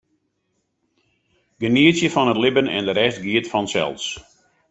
Genietsje fan it libben en de rest giet fansels.